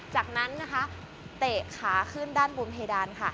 จากนั้นนะคะเตะขาขึ้นด้านบนเพดานค่ะ